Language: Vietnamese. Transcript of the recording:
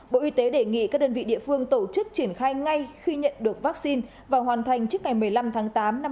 bộ y tế đề nghị các đơn vị địa phương tổ chức triển khai ngay khi nhận được vaccine và hoàn thành trước ngày một mươi năm tháng tám năm hai nghìn hai mươi